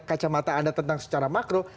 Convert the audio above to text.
kacamata anda tentang secara makro